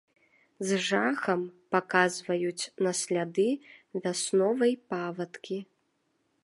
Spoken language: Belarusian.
З жахам паказваюць на сляды вясновай павадкі.